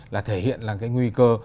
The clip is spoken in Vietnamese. là thể hiện là cái nguy cơ